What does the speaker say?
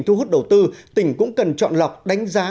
thu hút đầu tư tỉnh cũng cần chọn lọc đánh giá